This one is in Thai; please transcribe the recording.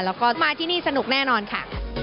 แล้วก็มาที่นี่สนุกแน่นอนค่ะ